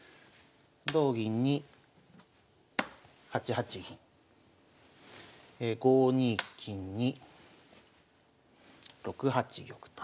同銀に８八銀５二金に６八玉と。